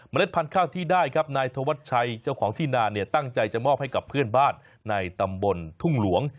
พันธุ์ข้าวที่ได้ครับนายธวัชชัยเจ้าของที่นาเนี่ยตั้งใจจะมอบให้กับเพื่อนบ้านในตำบลทุ่งหลวง